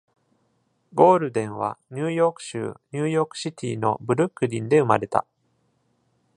ゴールデンは、ニューヨーク州ニューヨークシティのブルックリンで生まれた。